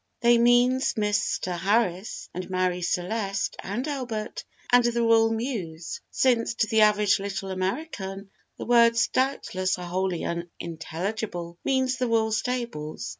They means Mr. Harris and Marie Celeste and Albert, and the Royal Mews since to the average little American the words doubtless are wholly unintelligible means the royal stables.